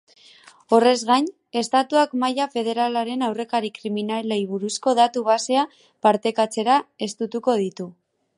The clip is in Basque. Horrez gain, estatuak maila federalean aurrekari kriminalei buruzko datu-basea partekatzera estutuko ditu.